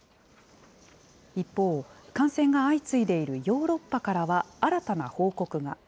一方、感染が相次いでいるヨーロッパからは、新たな報告が。